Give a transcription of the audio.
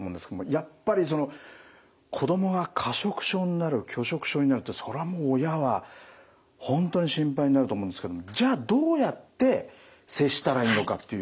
やっぱりその子供が過食症になる拒食症になるってそれはもう親は本当に心配になると思うんですけどじゃあどうやって接したらいいのかっていうところですね。